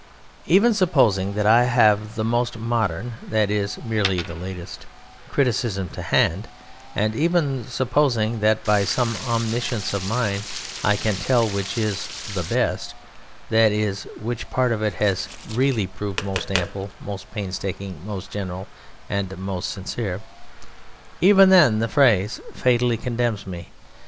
Even supposing that I have the most "modern" (that is, merely the latest) criticism to hand, and even supposing that by some omniscience of mine I can tell which is "the best" (that is, which part of it has really proved most ample, most painstaking, most general, and most sincere), even then the phrase fatally condemns me.